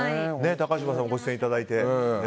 高嶋さんご出演いただいて。